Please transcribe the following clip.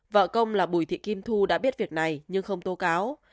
vợ công là bùi thị kim thu đã biết việc này nhưng không tố cáo